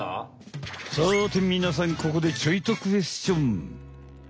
さてみなさんここでちょいとクエスチョン！